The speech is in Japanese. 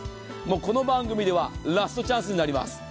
この番組ではラストチャンスになります。